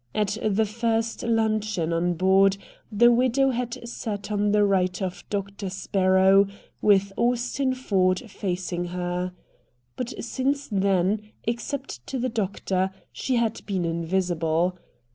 At the first luncheon on board the widow had sat on the right of Doctor Sparrow, with Austin Ford facing her. But since then, except to the doctor, she had been invisible.